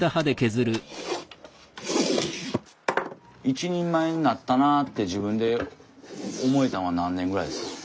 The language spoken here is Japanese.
一人前になったなって自分で思えたのは何年ぐらいですか？